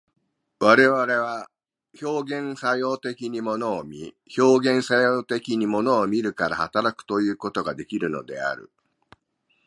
我々は表現作用的に物を見、表現作用的に物を見るから働くということができるのである。